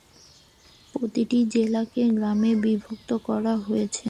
প্রতিটি জেলাকে গ্রামে বিভক্ত করা হয়েছে।